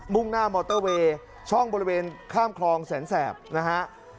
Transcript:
่งหน้ามอเตอร์เวย์ช่องบริเวณข้ามคลองแสนแสบนะฮะ